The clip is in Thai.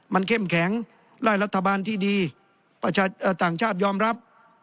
มันเข้มแข็งไล่รัฐบาลที่ดีต่างชาติยอมรับ